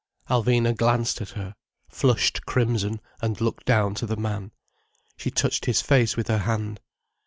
Alvina glanced at her, flushed crimson and looked down to the man. She touched his face with her hand.